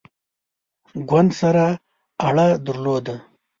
ګوند سره اړه درلوده.